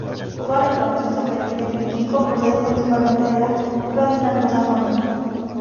Toda la información sobre el líder vikingo procede principalmente de la crónica anglosajona.